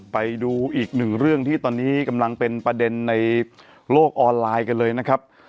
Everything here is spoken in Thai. ไปดูอีกหนึ่งเรื่องที่ตอนนี้กำลังเป็นประเด็นในโลกออนไลน์กันเลยนะครับ